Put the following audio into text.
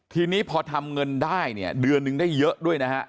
ทีนี้พอทำเงินได้เนี่ยเดือนหนึ่งได้เยอะด้วยนะฮะ